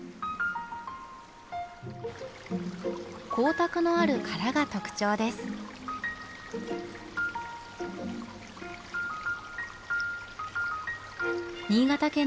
光沢のある殻が特徴です。